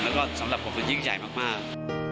แล้วก็สำหรับผมมันยิ่งใหญ่มาก